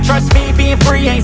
kamu sembuh sayang